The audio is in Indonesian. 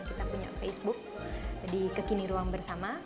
kita punya facebook jadi kekini ruang bersama